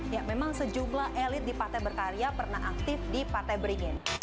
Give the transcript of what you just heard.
ya memang sejumlah elit di partai berkarya pernah aktif di partai beringin